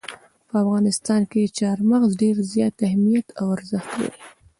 په افغانستان کې چار مغز ډېر زیات اهمیت او ارزښت لري.